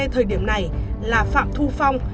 thời điểm này là phạm thu phong